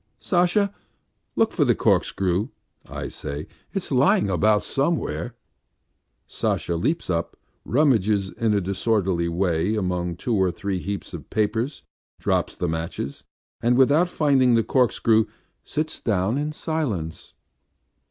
"Sasha, look for the corkscrew. ..." I say. "It's lying about somewhere." Sasha leaps up, rummages in a disorderly way among two or three heaps of papers, drops the matches, and without finding the corkscrew, sits down in silence.